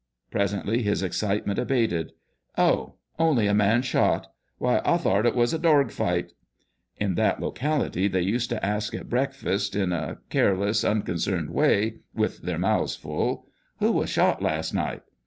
Presently his excite ment abated :" Oh ! only a man shot ! Why, I tho'rt it wus a dorg fight !" In that locality they used to ask at breakfast, in a careless, un concerned way, with their mouths full, " Who was shot last night?"